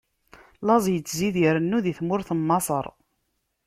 Laẓ ittzid irennu di tmurt n Maṣer.